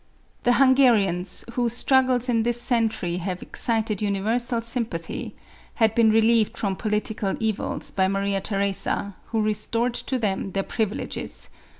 The Hungarians, whose struggles in this century have excited universal sympathy, had been relieved from political evils by Maria Theresa, who restored to them their privileges.